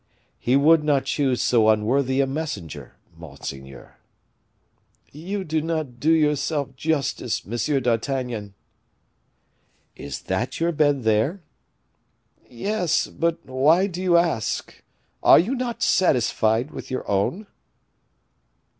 "He would not choose so unworthy a messenger, monseigneur." "You do not do yourself justice, Monsieur d'Artagnan." "Is that your bed, there?" "Yes; but why do you ask? Are you not satisfied with your own?"